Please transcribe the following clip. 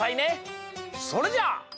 それじゃあ。